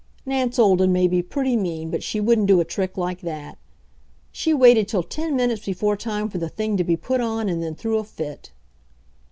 (Nance Olden may be pretty mean, but she wouldn't do a trick like that.) She waited till ten minutes before time for the thing to be put on and then threw a fit.